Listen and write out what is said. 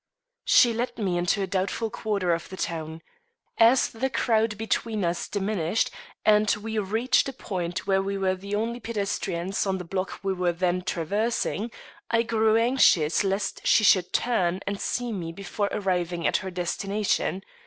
She led me into a doubtful quarter of the town. As the crowd between us diminished and we reached a point where we were the only pedestrians on the block we were then traversing, I grew anxious lest she should turn and see me before arriving at her destination.